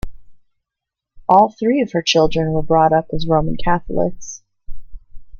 All three of her children were brought up as Roman Catholics.